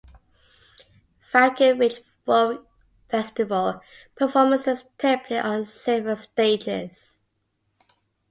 Falcon Ridge Folk Festival performances take place on several stages.